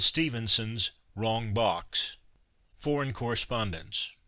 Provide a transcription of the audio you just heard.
Stevenson's " Wrong Box." Foreign Correspondence.